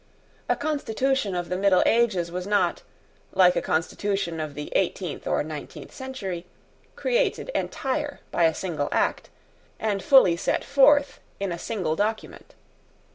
A constitution of the middle ages was not, like a constitution of the eighteenth or nineteenth century, created entire by a single act, and fully set forth in a single document.